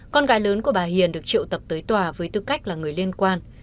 con gái lớn của bà hiền được triệu tập tới tòa với tư cách là người liên quan